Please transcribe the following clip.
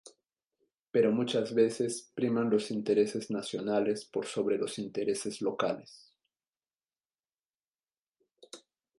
Pero muchas veces, priman los intereses nacionales por sobre los intereses locales.